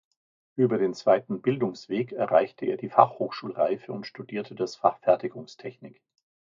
Über den zweiten Bildungsweg erreichte er die Fachhochschulreife und studierte das Fach Fertigungstechnik.